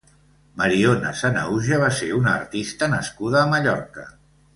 Mariona Sanahuja va ser una artista nascuda a Mallorca.